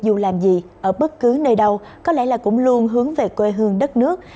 bạn gì ở bất cứ nơi đâu có lẽ là cũng luôn hướng về quê hương đất nước